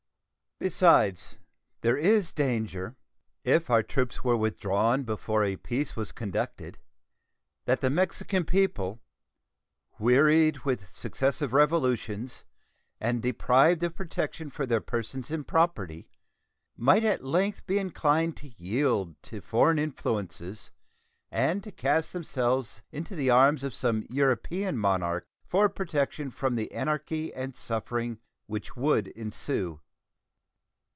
Besides, there is danger, if our troops were withdrawn before a peace was conducted, that the Mexican people, wearied with successive revolutions and deprived of protection for their persons and property, might at length be inclined to yield to foreign influences and to cast themselves into the arms of some European monarch for protection from the anarchy and suffering which would ensue.